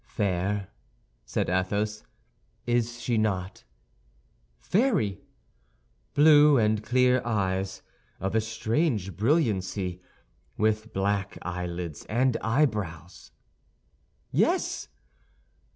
"Fair," said Athos, "is she not?" "Very." "Blue and clear eyes, of a strange brilliancy, with black eyelids and eyebrows?" "Yes."